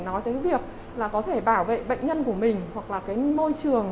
nói tới việc có thể bảo vệ bệnh nhân của mình hoặc là môi trường